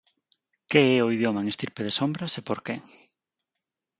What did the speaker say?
Que é o idioma en Estirpe de sombras e por que?